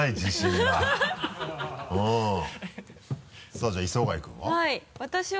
さぁじゃあ磯貝君は？